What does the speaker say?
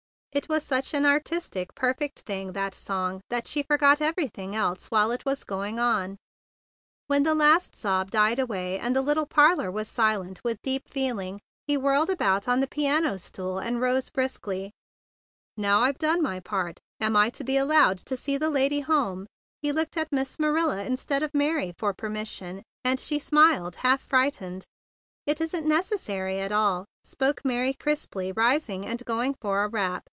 It was such an artis¬ tic, perfect thing, that song, that she forgot everything else while it was going on. When the last sob died away, and the little parlor was silent with deep feeling, he whirled about on the piano stool, and rose briskly. "Now I've done my part, am I to be allowed to see the lady home?" He looked at Miss Marilla instead of THE BIG BLUE SOLDIER 65 Mary for permission, and she smiled, half frightened. "It isn't necessary at all," spoke Mary crisply, rising and going for a wrap.